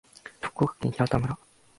福島県平田村